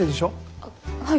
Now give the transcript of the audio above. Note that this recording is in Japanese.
あっはい。